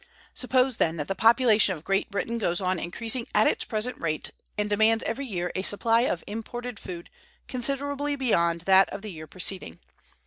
Suppose, then, that the population of Great Britain goes on increasing at its present rate, and demands every year a supply of imported food considerably beyond that of the year preceding.